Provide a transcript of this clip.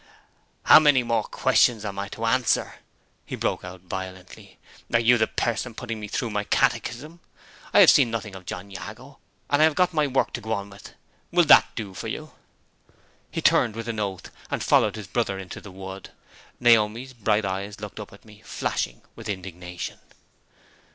"How many more questions am I to answer?" he broke out violently. "Are you the parson putting me through my catechism? I have seen nothing of John Jago, and I have got my work to go on with. Will that do for you?" He turned with an oath, and followed his brother into the wood. Naomi's bright eyes looked up at me, flashing with indignation.